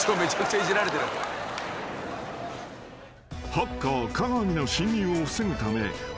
［ハッカー加賀美の侵入を防ぐため］